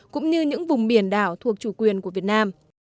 cũng như những vùng biển đảo thuộc chủ quyền của việt nam